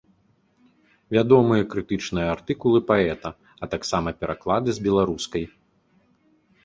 Вядомыя крытычныя артыкулы паэта, а таксама пераклады з беларускай.